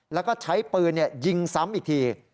แล้วก็ใช้ปืนยิงซ้ำอีกที